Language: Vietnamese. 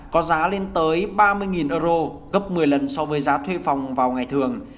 có giá lên tới ba mươi euro gấp một mươi lần so với giá thuê phòng vào ngày thường